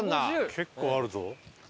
結構あるぞ。